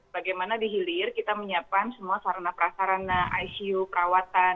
bagaimana dihilir kita menyiapkan semua sarana prasarana icu perawatan